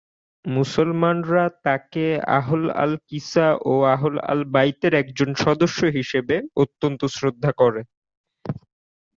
মুসলমানরা তাঁকে আহল আল-কিসা ও আহল আল-বাইতের একজন সদস্য হিসেবে অত্যন্ত শ্রদ্ধা করে।